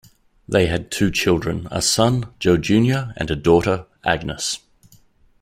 They had two children, a son, Joe Junior and a daughter, Agnes.